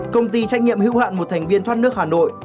công ty trách nhiệm hữu hạn một thành viên thoát nước hà nội